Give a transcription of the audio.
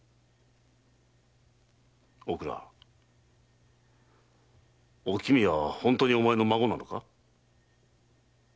おくらおきみは本当にお前の孫なのか？